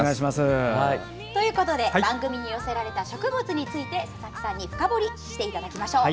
ということで番組に寄せられた植物について佐々木さんに深掘りしていただきましょう！